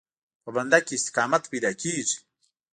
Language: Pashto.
په بنده کې استقامت پیدا کېږي.